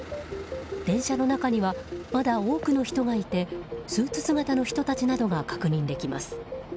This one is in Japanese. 電車の中にはまだ多くの人がいてスーツ姿の人たちなどが確認できます。